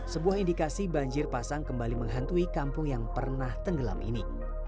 sebuah indikasi banjir pasang kembali menghantui kampung yang pernah tenggelam ini